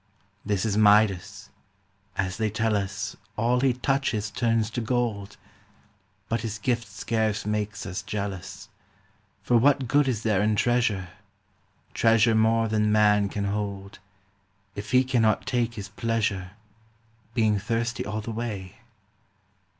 This is Midas : as they tell us, All he touches turns to gold, But his gift scarce makes us jealous ; For what good is there in treasure. Treasure more than man can hold. If he cannot take his pleasure, Being thirsty all the way